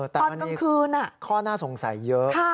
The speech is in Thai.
ตอนกลางคืนข้อน่าสงสัยเยอะ